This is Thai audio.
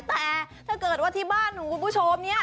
แต่ถ้าเกิดว่าที่บ้านของคุณผู้ชมเนี่ย